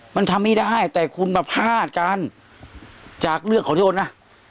มันทำไม่ได้แต่คุณมาพลาดกันจากเรื่องขอโทษนะ